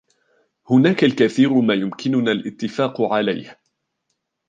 هناك الكثير ما يمكننا الإتفاق عليه.